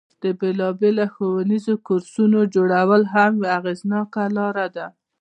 د بیلابیلو ښوونیزو کورسونو جوړول هم یوه اغیزناکه لاره ده.